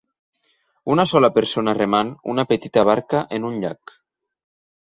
Una sola persona remant una petita barca en un llac.